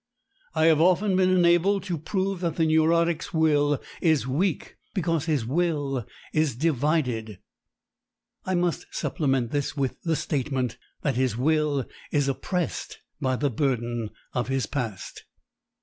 I have often been enabled to prove that the neurotic's will is weak because his will is divided. I must supplement this with the statement that his will is oppressed by the burden of his past.